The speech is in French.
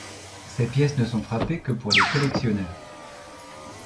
Ces pièces ne sont frappées que pour les collectionneurs.